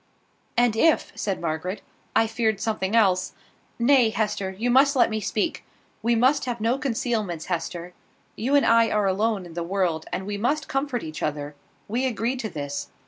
"And if," said Margaret, "I feared something else Nay, Hester, you must let me speak. We must have no concealments, Hester. You and I are alone in the world, and we must comfort each other. We agreed to this.